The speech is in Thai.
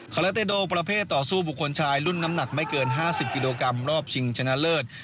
เลเตโดประเภทต่อสู้บุคคลชายรุ่นน้ำหนักไม่เกิน๕๐กิโลกรัมรอบชิงชนะเลิศ